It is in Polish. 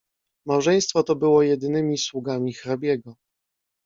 "Małżeństwo to było jedynymi sługami hrabiego."